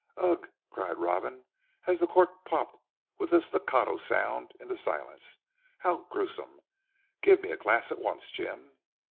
"Ugh!" cried Robin as the cork popped with a staccato sound in the silence. "How gruesome; give me a glass at once Jim."